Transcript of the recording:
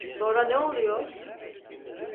Sonra ne oluyor?